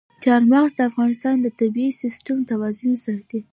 چار مغز د افغانستان د طبعي سیسټم توازن ساتي.